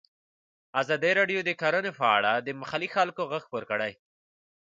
ازادي راډیو د کرهنه په اړه د محلي خلکو غږ خپور کړی.